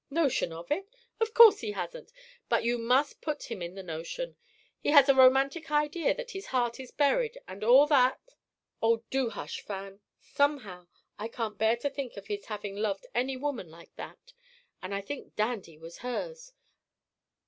"Notion of it? Of course he hasn't, but you must put him in the notion. He has a romantic idea that his heart is buried and all that " "Oh, do hush, Fan. Somehow I can't bear to think of his having loved any woman like that, and I think Dandy was hers!